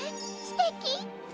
すてき？